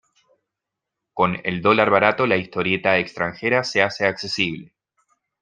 Con el dólar barato la historieta extranjera se hace accesible.